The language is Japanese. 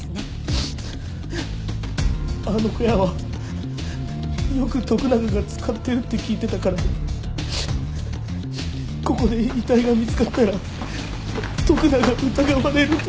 あの小屋はよく徳永が使ってるって聞いてたからここで遺体が見つかったら徳永が疑われると思って。